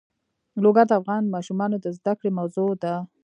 لوگر د افغان ماشومانو د زده کړې موضوع ده.